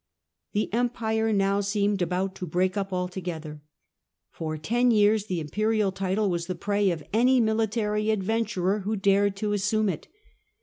The Empire now seemed about to break up altogether. For ten years the imperial title was the prey of any military adventurer who dared to assume it.